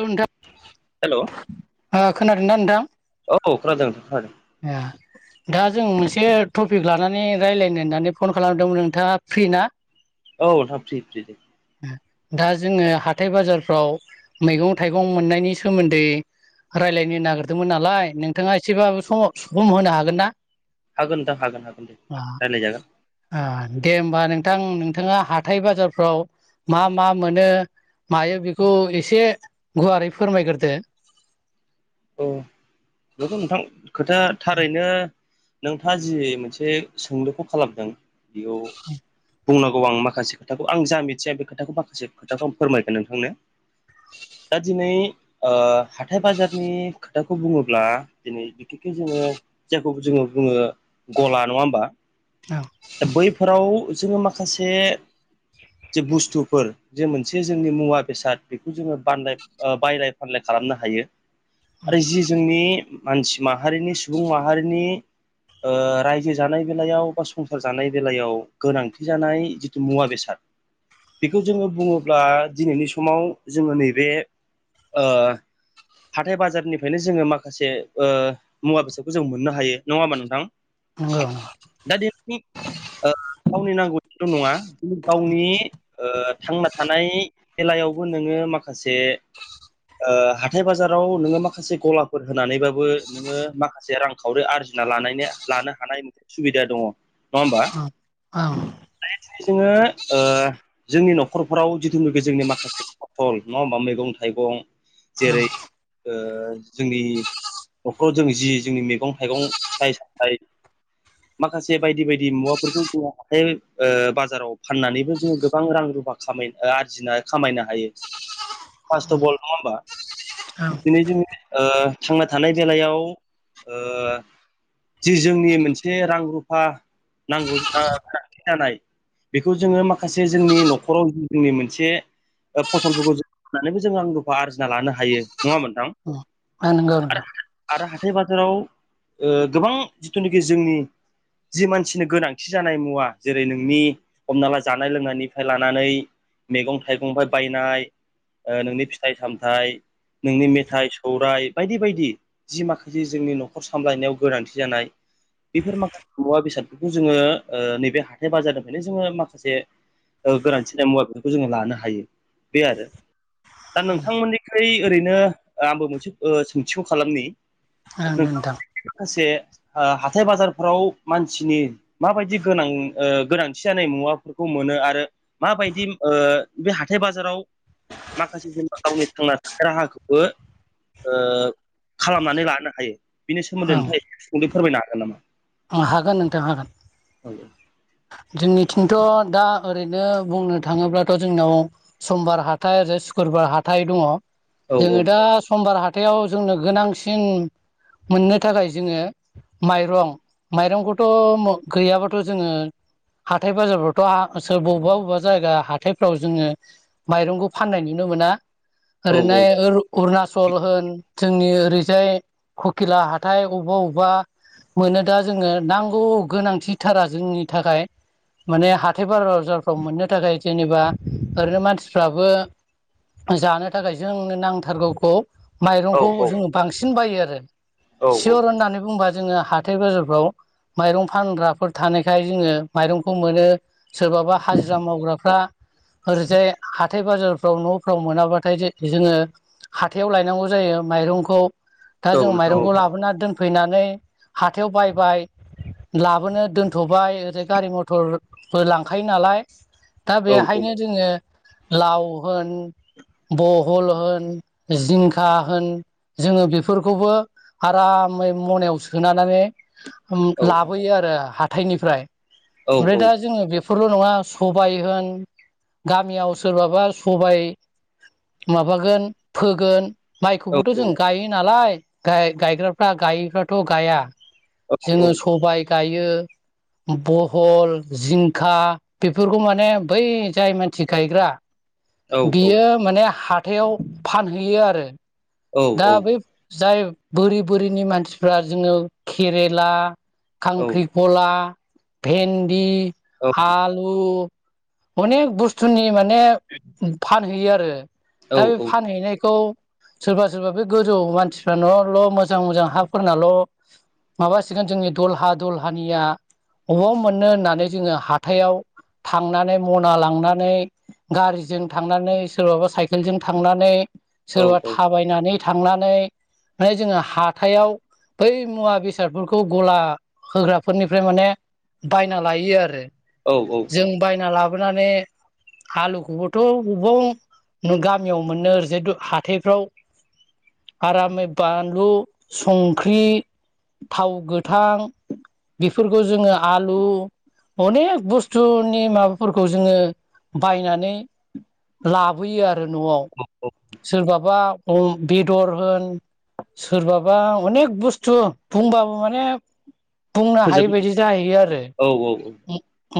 हेल' hello नोंथां ओ खोनादों ना नोंथां औ खोनादों खोनादों। ओ दा जों मोनसे टपिक लानानै रायज्लायनो होननानै फन खालामदोंमोन नोंथाङा फ्रि ना? औ नोंथां फ्रि फ्रि दा जोङो हाथाय बाजारफ्राव मैगं थाइगं मोननायनि सोमोन्दै रायलायनो नागिरदोंमोन नालाय नोंथाङा एसेबाबो सम सम होनो हागोन ना? हागोन नोंथां हागोन हागोन दे अ रायलायजागोन ओ दे होमबा नोंथां नोंथाङा हाथाय बाजारफ्राव मा मा मोनो मायो बेखौ एसे गुवारै फोरमायगोरदो औ नोंगौ नोंथां खोथाया थारैनो नोंथाङा जि मोनसे सोंलुखौ खालामदों बेयाव बुंनांगौ आं माखासे खोथाखौ आं जा मिथिया बे खोथाखौ माखासे खोथाखौ आं फोरमायगोन नोंथांनो दा दिनै ओ हाथाय बाजार नि खोथाखौ बुङोब्ला दिनै बिखेखखे जोङो जायखौ जोङो बुङो गला नङा होमबा औ बैफोराव जोङो माखासे जे बुस्थुफोर जे मोनसे जोंनि मुवा बेसाद बेखौ जोङो बाननाय बायलाय फानलाय खालाम खालामनो हायो आरो जि जोंनि मानसि माहारिनि सुबुं माहारिनि ओ रायजो जानाय बेलायाव बा संसार जानाय बेलायाव गोनांथि जानाय जिथु मुवा बेसाद बेखौ जोङो बुङोब्ला दिनैनि समाव जोङो नैबे ओ हाथथाय बाजारनिफ्रायनो जोङो माखासे ओ मुवा बेसादखौ जों मोननो हायो नङा होमबा नोंथां दा [unintelligible] [unintelligible] गावनि नांगौथिल' नङा गावनि थांना थानाय बेलायावबो नोङो नो माखासे ओ हाथाय बाजाराव नोङो माखासे गलाफोर होनानैबाबो नोङो माखासे रां खावरि आर जिना लानायनि लानो हानाय मोनसे सुबिदा दङ होमबा औ औ जोङो ओ जोंनि न'खरफोराव जिथुनाखि जोंनि माखासे फसल नङा होमबा मैगं थाइगं मगं जेरै ओ ओ जोंनि न'खराव जों जि जोंनि मैगं थाइगं फिथाइ सामथाइ माखासे बे बायदि बायदि मुवाफोरखौ जोङो हााइ बाजाराव फाननानैबो जोङो गोबां रां रुफा खामाय आरजिनो खामायनो हायो फासथ' बल नङा होमबा औ दिनै जोंनि ओ थांना थानाय बेलायाव जि जोंनि मोनसे रां रु फा नांगौ जा जानाय बेखौ जोङो माखासे जोंनि न'खराव जोंनि मोनसे ओ फसलफोरखौ जों होननानैबो जों रां रुफा आरजिना लानो हायो नङा होमबा नोंथां औ नंगौ नोंथां आरो आरो हाथाय बाजाराव गोबां जिथुनाखि जोंनि जि मानसिनि गोनांथि जानाय मुवा जेरै नोंनि हमना ला जानाय लोंनायनिफ्राय लानानै मैगं थाइगंफोर बायनाय नोंनि फिथाइ सामथाय नोंनि मेथाइ सौरायाइ बायदि बायदि जि माखासे जोंनि न'खर सामलायनायाव गोनांथि जानाय बेफोर माखासे मुवा बेसादफोरखौ जोङो ओ नैबे हाथाय बाजारनिफ्रायनो जोङो माखासे ओ गोनांथि जानाय मुवा बेसादखौ जोङो लानो हायो बे आरो दा नोंथांमोननिख्रुइ ओरैनो आंबो मोनसे ओ सोंथिखौ खालामनि ओं नोंथाङा नोंथां [unintelligible] माखासे हाथाय बाजारफोराव मानसिनि माबायदि गोनां ओ गोनांथि जानाय मुवाफोरखौ मोनो आरो माबायदि ओ बे हाथाय बाजाराव माखासे जेनबा गावनि थांना थानाय राहाखौबो ओ खालामनानै लानो हायो बिनि सोमोन्दै औ नोंथाङा एसे सुंदयै फोरमायनो हागोन नामा हागोन नोंथां हागोन औ जोंनिथिंथ' दा ओरैनो बुंनो थाङोब्लाथ' जोंनाव समबार हाथाइ ओ सुक्रुबार हाथाय दङ औ जोङो दा समबार हाथाय हाथायाव जोंनो गोनांसिन मोननो थाखाय जोङो माइरं माइरंखौथ' म गैयाबाथ' जोङो हाथाय बाजारफ्रावथ' आ सोर बबेबा बबेबा जायगा हाथायफ्राव जोङो माइरंखौ फाननायनि नो मोना औ ओरैनो अरुणचल होन जोंनि ओरैजाय ककिला हाथाय बबेबा अबेबा मोनो दा जोंनो नांगौ गोनांथिथारा जोंनि थाखाय माने हाथाय बार बाजारफ्राव मोननो थाखाय जेनेबा ओरैनो मानसिफ्राबो जानो थाखाय जोंनो नांथारगौखौ औ माइरंखौ औ जोङो बांसिन बायो आरो औ नोंथां औ सियर होननानै बुंङोबा जोङो हाथाइ बाजारफ्राव माइरं फानग्राफोर थानायखाय जोङो माइरंखौ मोनो सोरबाबा हाजिरा मावग्राफ्रा ओरैजाय हाथाय बाजारफ्राव न'फ्राव मोनाब्लाथाय जोङो हाथायाव लायनांगौ जायो माइरंखौ दा जों माइरंखौ लाबोना दोनफैनानै हाथायाव बायबाय लाबोनो दोनथ'बाय ओरै गारि मथर बो लांखायो नालाय दा बेहायनो जोङो लाव होन बहल होन जिंखा होन जोङो बेफोरखौबो आरामै मनायावसो सोनानानै लाबोयो आरो हाथायनिफ्राय ओमफ्राय दा जोङो बे बेफोरल' नङा सबाय होन गामियाव सोरबाबा सबाय माबागोन फोगोन माइखौबोथ' जों गायो नालाय गायग्राफ्रा गायैफ्राथ' गाया जोङो सबाय गायो बहल जिंखा बेफोरखौ माने बै जाय मानसि गायग्रा बियो माने हाथायाव फानहैयो आरो औ दा बै जाय बोरि बोरिनि मानसिफ्रा जोङो केरेला खांख्रिखला भेन्दि आलु अनेक बुस्थुनि माने फानहैयो आरो दा बे फानहैनायखौ सोरबा सोरबा बे गोजौ मानसिफ्रान'ल' मोजां मोजां हाफोरनाल' माबासिगोन जोंनि दलहा दलहानिया अबाव मोननो होननानै जोङो हाथायाव थांनानै मना लांनानै गारिजों थांनानै सोरबाबा साइकेलजों थांनानै औ सोरबा औ थाबायनानै थांनानै माने जोङो हाथायाव बै मुवा बेसादफोरखौ गला होग्राफोरनिफ्राय माने बायना लायो आरो जों बायना लाबो नानै आलुखौबोथ' बबबाव गामियाव मोनननो ओरैजाय हाथाय [unintelligible] आरामै बानलु संख्रि थाव गोथां बेफोरखौ जोङो आलु अनेख बुस्थुनि माबाफोरखौ जोङो बायनानै लाबोयो आरो न'वाव सोरबाबा बेदर होन सोरबाबा अनेख बुस्थु बुंबाबो माने बुंनो हायि फोजोब बायदि जाहैयो आरो औ औ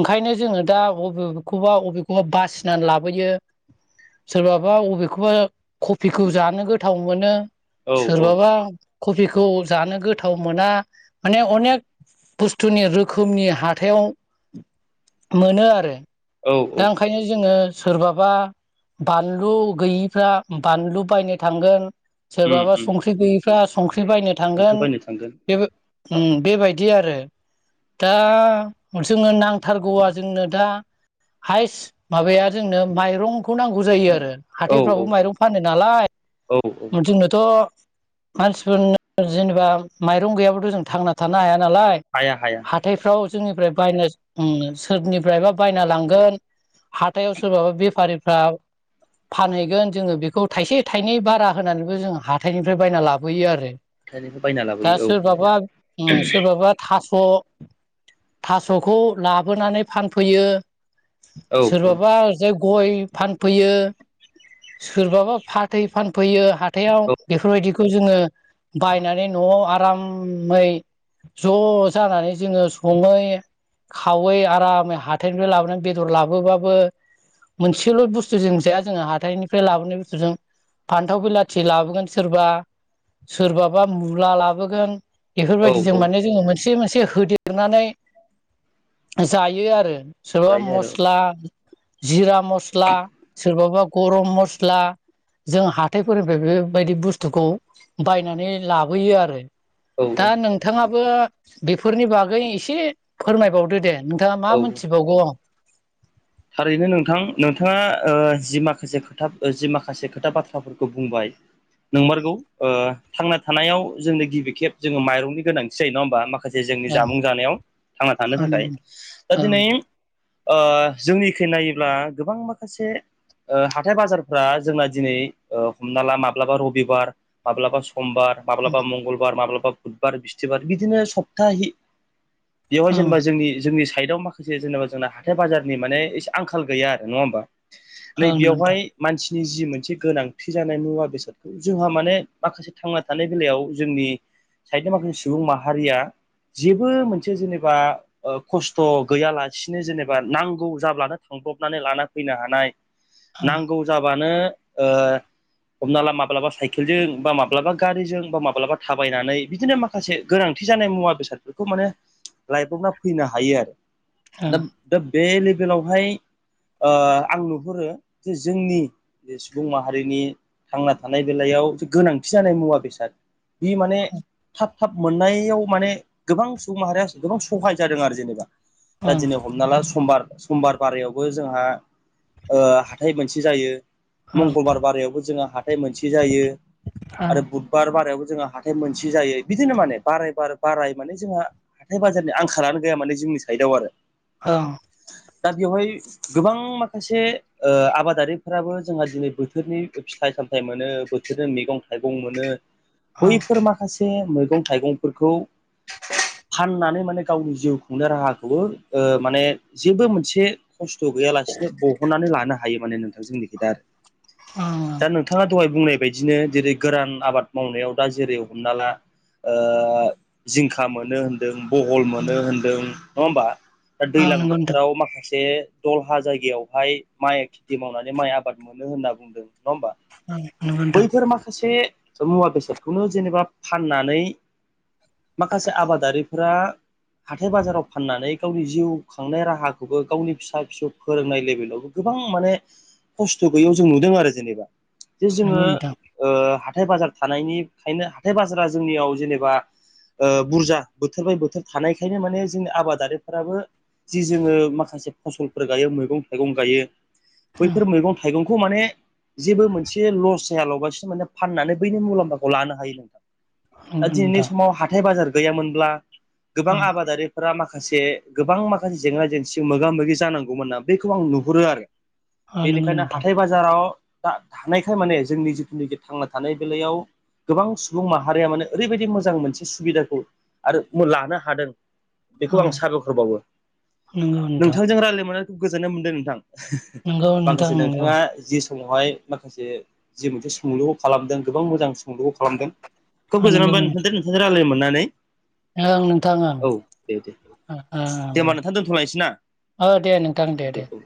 ओंखायनो जोङो दा बबेखौबा बबेखौबा बासिनानै लाबोयो सोरबाबा अबेखौबा कफिखौ जानो गोथाव मोनो औ सोरबाबा कफिखौ जानो गोथाव मोना माने अनेक बुस्थुनि रोखोमनि हाथाइयाव मोनो आरो औ दा ओंखायनो जोङो सोरबाबा बानलु गैयिफ्रा बानलु बायनो थांगोन उम सोरबाबा उम संख्रि गैयिफ्रा संख्रि बायनो जोंथ' थांगोन बायनो थांगोन बे बेबायदि आरो दा जोङो नांथारगौवा जोंनो दा हाइस माबाया जोंनो माइरंखौ नांगौ जायो आरो औ औ हाथायफ्रावबो माइरं फानो नालाय औ जोंनोथ' मानसिफोरनो जेनेबा माइरं गैयाब्लाथ' जों थांना थानो हाया। नालाय हाया हाया हाथायफ्राव जोंनिफ्राय बायना ओम सोरनिफ्रायबा बायना लांगोन हाथायाव सोरबाबा बेफारि फ्रा फानहैगोन जोङो बेखौ खौ थाइसे थाइनै बारा होनानैबो जों हाथाइनिफ्राय बायना लाबोयो आरो। हाथायनिफ्राय बायना दा लाबोयो औ नंगौ सोरबाबा ओम सोरबाबा थास' थास'खौ लाबोनानै फानफैयो। औ सोरबाबा ओ गय फानफैयो। सोरबाबा फाथै फानफैयो हाथायाव बेफोरबायदि खौ जोङो बायनानै न'आव आरामै ज' जानानै जोङो सङै खावै आरामै हाथथायनिफ्राय लाबोनानै बेदर लाबोबाबो मोनसेल' बुस्थु जों जाया जोङो हाथाइनि फ्राय लाबोनाय बोथोरजों फान्थाव बिलाथि लाबोगोन सोरबा सोरबाबा मुला लाबोगोन। औ औ बेफोरबायदिजों औ माने जोङो मोनसे मोनसे होदेरनानै जायो आरो। सोरबा जायो आरो मस्ला जिरा मस्ला सोरबाबा गरम मस्ला जों हााइफोरनिफ्राय बेबायदि बुस्थुखौ बायनानै लाबोयो आरो। औ दा नोंथाङाबो बेफोरनि बागै एसे फोरमायबावदो दे। नोंथाङा मा औ मिथिबावगौ थारैनो नोंथां नोंथाङा जि माखासे खोथा जि माखासे खोथा बाथ्राफोरखौ बुंबाय नंमारगौ थांना थानायाव जोंनो गिबि खेब जोङो माइरंनि गोनांथि जायो नङा होमबा मासे माखासे जोंनि ओं जामुं जानायाव थांना थानो ओं थाखाय दा ओं दिनै जोंनिखै नायोब्ला गोबां माखासे हाथाय बाजारफ्रा जोंना दिनै हमना ला माब्लाबा रबिबार माब्लाबा समबार माब्लाबा मंगलबार माब्लाबा बुधबार बिस्थिबार बिदिनो सप्ताहि बेवहाय ओं जेनेबा जोंनि जोंनि साइडआव माखासे जेनेबा जोंना हाथाय बाजार मेसे आंखाल गैया आरो नङा हबा ओं नंगौ नैबेयावहाय नोंथां मानसि नि जि मोनसे गोनांथि जानाय मुवा बेसादखौ जोंहा माने माखासे थांना थानाय बेलायाव जोंनि साहद माखासे सुबुं माहारिया जेबो मोनसे जेनेबा खस्थ' गैयालासिनो जेनेबा नांगौ। नांगौ जाब्लानो थांब्रबनानै लाना फैनो हानाय नांगौ जाबानो हमना ला माब्लाबा साइकेलजों बा माब्लाबा गारिजों बा माब्लाबा थाबायनानै बिदिनो माखासे गोनांथि ओथि जानाय मुवा बेसादफोरखौ माने लाइबावना फैनो हायो आरो। ओं दा दा बे लेभेलावहाय आं नुहुरो जे जोंनि बे सुबुं माहारिनि थांना थानाय बेलायाव जे गोनांथि जानाय मुवा बेसाद बि माने थाब थाब मोननायाव माने गोबां सुबुं माहारिया गोबां सहाय जादों आरो जेनेबा दा ओं दिनै हमना ला समबार समबार बारायावबो जोंहा हाथाय मोनसे जायो। ओं मंगलबार बारायावबो जोहा हाथाय मोनसे जायो आरो ओं बुधबार बारायावबो। जोंहा हाथाइ मोनसे जायो बिदिनो माने बाराय बाराय बाराय माने जोंहा हाथथाय बाजारनि आंखालानो गैया माने जों आंनि साइदआव आरो औ दा बेवहाय गोबां माखासे आबादारिफोराबो जोंहा दिनै बोथोरनि फिथाइ हिसाबै सामथाइ मोनो बोथोरजों मैगं थाइगं मोनो। ओं बैफोर माखासे मैगं थाइगंफोरखौ फाननानै माने गावनि जिउ खुंनो राहाखौबो माने जेबो मोनसे खस्थ' गैयालासेनो बहननानै लानो हायो माने नोंथांजोंनि खि दा आरो दा नोंथाङा दहाय बुंनाय बायदिनो जेरै गोरान आबाद मावनायाव दा जेरै हमना ला जिंखा मोनो होनदों बहल ओं मोनो होनदों नङा होमबा दा ओं दैज्लां नंगौ नोंथां बोथोराव माखासे माखासे दलहा जायगायावहाय माइ खेथि मावनानै माइ आबाद मोनो होनना बुंदों। नङा होमबा ओं नंगौ नोंथां बैफोर माखासे मुवा बेसादखौनो जेनेबा फाननानै माखासे आबादारिफोरा हाथाय बाजाराव फाननानै गावनि जिउ खांनाय राहाखौ खौबो गावनि फिसा फिसौ फोरोंनाय लेभेलावबो गोबां माने खस्थ गैयैयाव जों नुदों आरो जेनेबा जे जोङो नंगौ नोंथां ओ हाथाय बाजार थानायनिखायनो हाथाय बाजारा जोंनियाव जेनेबा ओ बुरजा बोथोर बाय बोथोर थानायखायनो माने जोंनि आबादारिफोराबो जि जोङो माखासे फसलफोर गायो मैगं थाइगं गायो औ बैफोर मैगं थाइगंखौ माने जेबो मोनसे लस जायाालबसो माने फाननानै बैनि मुलाम्फाखौ लानो हायो नोंथां दा नंगौ नोंथां दिनैनि समाव हाथाय बाजार गैयामोनब्ला गोबां ओं आबादारिफोरा माखासे माखासे गोबां माखासे जेंना जेंसिजों मोगा मोगि जानांगौमोनना बेखौ आं नुहुरो आरो ओ नंगौ बेनिखायनो नोंथां हाथाय बाजाराव दा थानायखाय माने जोंनि जिथुनाखि थांना थानाय बेलायाव गोबां सुबुं माहारिया माने ओरैबायदि मोजां मोनसे सुबिदाखौ आरो लानो हादों बेखौ ओं आं साबायखर बावो नंगौ नोंथां नोंथांजों रायलायनो मोननायखौ गोजोननाय मोनदों नोंथां नंगौ नोंथां माखासे नंगौ नोंथाङा जि हाय माखासे जि मोनसे सोंलु खालामदों गोबां मोजां सोलुखौ खालादों खोब ओ गोजोनाय नंगौ मोनबाय नोंथां नोंथांजों रायलायनो मोननानै ओं नोंथां ओं औ दे दे दे ओं ओं दे होनबा नोंथां दोनथलायनोसै ना औ दे नोंथां दे दे औ औ